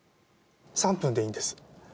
３分でいいんです。